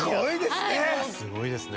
すごいですね！